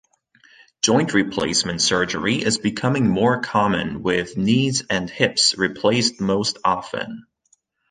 Joint replacement surgery is becoming more common with knees and hips replaced most often.